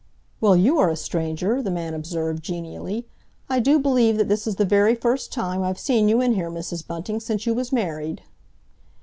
"Well, you are a stranger," the man observed genially. "I do believe that this is the very first time I've seen you in here, Mrs. Bunting, since you was married!"